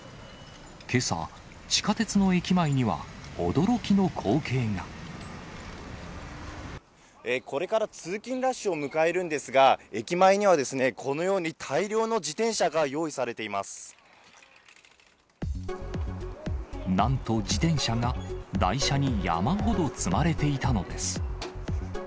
けさ、地下鉄の駅前には、これから通勤ラッシュを迎えるんですが、駅前にはこのように、なんと、自転車が台車に山ほど積まれていたのです。